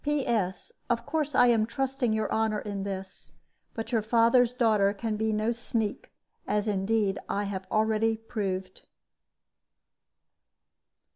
"P.S. Of course I am trusting your honor in this. But your father's daughter can be no sneak; as indeed I have already proved."